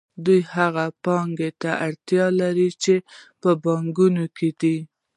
دوی هغې پانګې ته اړتیا لري چې په بانکونو کې ده